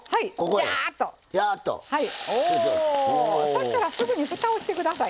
そしたらすぐにふたをして下さい。